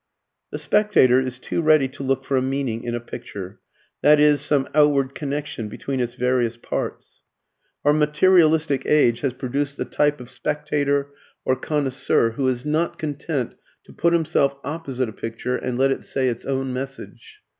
The spectator is too ready to look for a meaning in a picture i.e., some outward connection between its various parts. Our materialistic age has produced a type of spectator or "connoisseur," who is not content to put himself opposite a picture and let it say its own message.